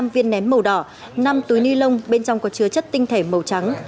hai mươi năm viên ném màu đỏ năm túi ni lông bên trong có chứa chất tinh thể màu trắng